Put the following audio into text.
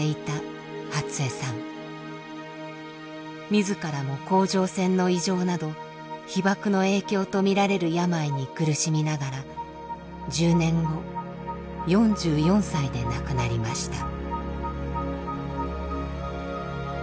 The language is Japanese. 自らも甲状腺の異常など被ばくの影響と見られる病に苦しみながら１０年後４４歳で亡くなりました。